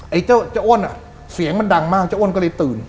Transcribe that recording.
ไอ้เจ้าอ้วนอ่ะเสียงมันดังมากเจ้าอ้วนก็เลยตื่น